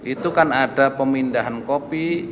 itu kan ada pemindahan kopi